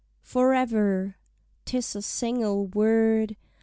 FOREVER; 'tis a single word!